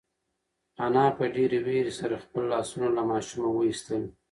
انا په ډېرې وېرې سره خپل لاسونه له ماشومه وایستل.